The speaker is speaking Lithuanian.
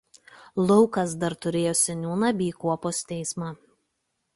Laukas dar turėjo seniūną bei kuopos teismą.